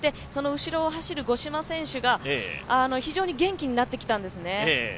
その後ろを走る五島選手が非常に元気になってきたんですね。